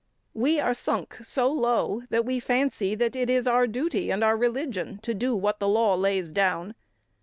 We are sunk so low, that we fancy that it is our duty and our religion to do what the law lays down.